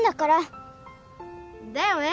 だよね